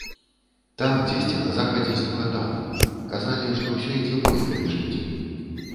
Там, дзесьці на захадзе, стукатала, казалі, што ўсё ідзе бойка між людзьмі.